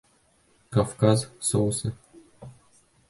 Кавказ соусы.